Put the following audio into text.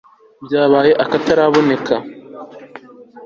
ryabaye akataraboneka